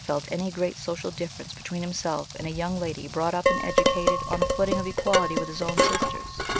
felt any great social difference between himself and a young lady brought up and educated on a footing of equality with his own sisters.